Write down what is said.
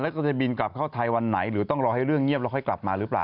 แล้วก็จะบินกลับเข้าไทยวันไหนหรือต้องรอให้เรื่องเงียบแล้วค่อยกลับมาหรือเปล่า